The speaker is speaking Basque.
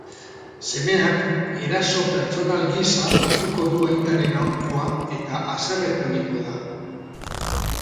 Semeak eraso pertsonal gisa hartuko du aitaren aholkua eta haserretu egingo da.